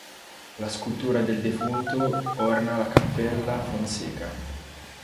La scultura del defunto orna la cappella Fonseca.